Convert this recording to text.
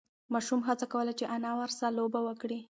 ماشوم هڅه کوله چې انا ورسه لوبه وکړي.